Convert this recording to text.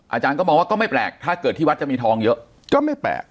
อาจารย์ก็มองว่าก็ไม่แปลกถ้าเกิดที่วัดจะมีทองเยอะก็ไม่แปลก